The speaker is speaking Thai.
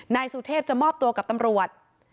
นายสุเทพจะมอบตัวกับตำรวจ